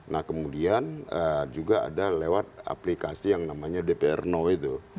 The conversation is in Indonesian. nah kemudian juga ada lewat aplikasi yang namanya dpr know itu